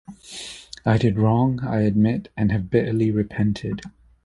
I did wrong, I admit, and have bitterly repented.